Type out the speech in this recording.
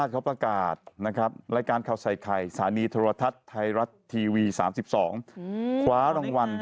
ขอบคุณแล้วล่าข่าวยอดเยี่ยมเหรอ